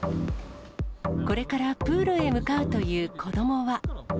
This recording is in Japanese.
これからプールへ向かうという子どもは。